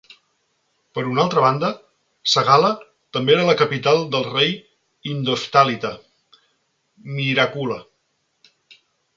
Per una altra banda, Sagala també era la capital del rei indo-heftalita Mihirakula.